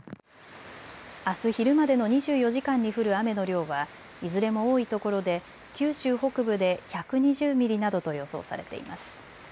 あす昼までの２４時間に降る雨の量はいずれも多いところで九州北部で１２０ミリなどと予想されています。